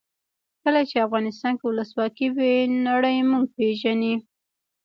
کله چې افغانستان کې ولسواکي وي نړۍ موږ پېژني.